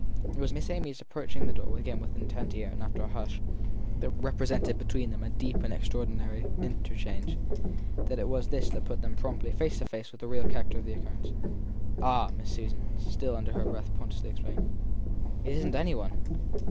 It was Miss Amy s approach ing the door again as with intent ear and after a hush that had represented between them a deep and extraordinary in terchange it was this that put them promptly face to face with, the real character of the occurrence. Ah, Miss Susan, still under her breath, portentously exclaimed, it isn t any one